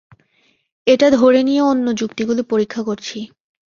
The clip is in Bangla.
এটা ধরে নিয়ে অন্য যুক্তিগুলি পরীক্ষা করছি।